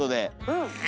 うん？